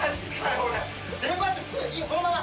このまま。